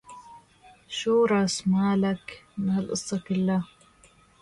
The prosecutor demanded him to serve four years in prison.